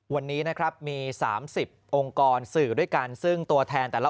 วันนี้นะครับมี๓๐องค์กรสื่อด้วยกันซึ่งตัวแทนแต่ละ